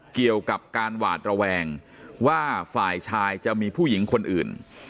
เกี่ยวกับการหวาดระแวงว่าฝ่ายชายจะมีผู้หญิงคนอื่น